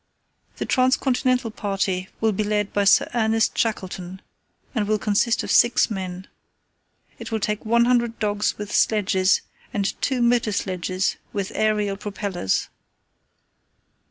"The Trans continental party will be led by Sir Ernest Shackleton, and will consist of six men. It will take 100 dogs with sledges, and two motor sledges with aerial propellers.